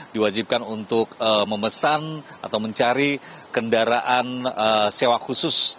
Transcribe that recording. diwajibkan untuk memesan atau mencari kendaraan sewa khusus